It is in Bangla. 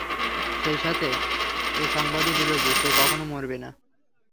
সেই সাথে এ সংবাদও দিল যে, সে কখনো মরবে না।